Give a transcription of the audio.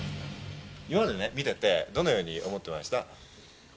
今までね、見てて、どのように思ってました？